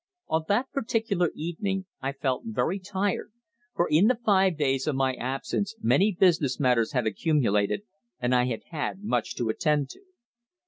On that particular evening I felt very tired, for in the five days of my absence many business matters had accumulated, and I had had much to attend to.